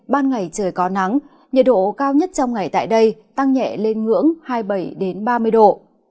ban ngày trời có nắng nhiệt độ cao nhất trong ngày tại đây tăng nhẹ lên ngưỡng hai mươi bảy ba mươi độ